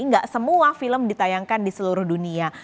nggak semua film ditayangkan di seluruh dunia